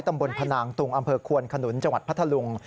ตำบลพนางตุงอำเภอควนขนุนจังหวัดพัทธลุง